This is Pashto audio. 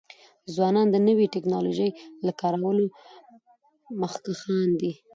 ځوانان د نوی ټکنالوژی د کارولو مخکښان دي.